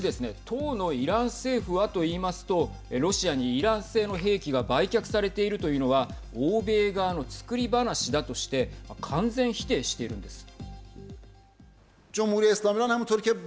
当のイラン政府はといいますとロシアにイラン製の兵器が売却されているというのは欧米側の作り話だとして完全否定しているんです。